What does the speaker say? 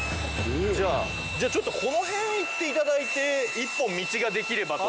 じゃあちょっとこの辺いって頂いて一本道ができればと。